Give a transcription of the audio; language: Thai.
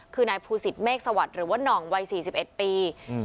คือนายภูศิษฐเมฆสวัสดิ์หรือว่าน่องวัยสี่สิบเอ็ดปีอืม